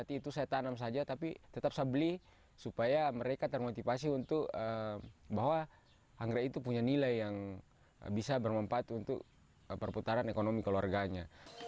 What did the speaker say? hati itu saya tanam saja tapi tetap saya beli supaya mereka termotivasi untuk bahwa anggrek itu punya nilai yang bisa bermanfaat untuk perputaran ekonomi keluarganya